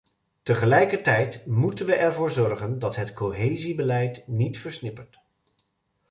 Tegelijkertijd moeten we ervoor zorgen dat het cohesiebeleid niet versnippert.